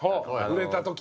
売れた時。